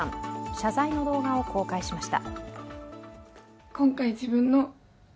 謝罪の動画を公開しました。